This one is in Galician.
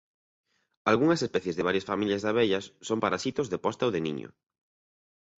Algunhas especies de varias familias de abellas son parasitos de posta ou de niño.